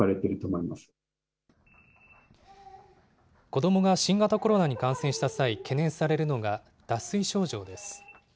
子どもが新型コロナに感染した際、懸念されるのが、脱水症状です。